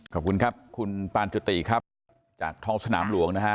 ขอบคุณครับคุณปานจุติครับจากท้องสนามหลวงนะฮะ